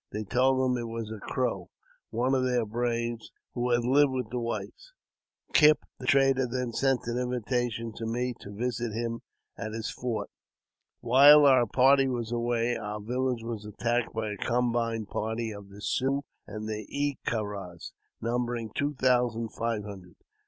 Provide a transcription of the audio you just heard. They told him it was a Crow, one of their braves, who had lived with the whites. Kipp, the trader, then sent an invitation to me to visit him at his fort. While our party was away, our village was attacked by a combined party of the Siouxs and Ee ke rahs, numbering two thousand five hundred.